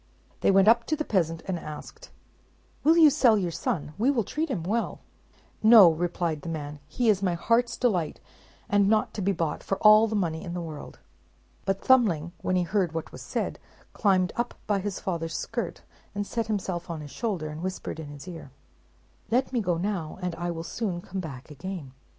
They went up to the peasant, and asked, "Will you sell your son? We will treat him well." "No," replied the man; "he is my heart's delight, and not to be bought for all the money in the world!" But Thumbling, when he heard what was said, climbed up by his father's skirt, and set himself on his shoulder, and whispered in his ear, "Let me go now, and I will soon come back again."